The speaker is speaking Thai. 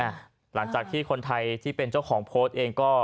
หลังจากที่คนไทยที่เป็นเจ้าของโพสต์เองก็